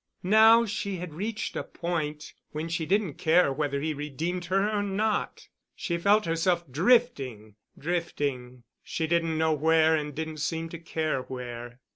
Now she had reached a point when she didn't care whether he redeemed her or not. She felt herself drifting—drifting—she didn't know where and didn't seem to care where.